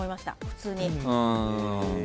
普通に。